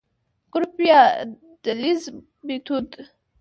ګروپي يا ډلييز ميتود: